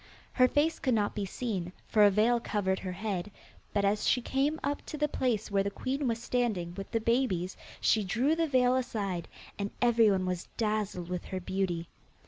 Her face could not be seen, for a veil covered her head, but as she came up to the place where the queen was standing with the babies she drew the veil aside, and everyone was dazzled with her beauty.